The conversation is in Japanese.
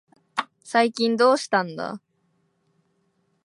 最近どうしたんだ。